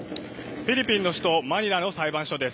フィリピンの首都マニラの裁判所です。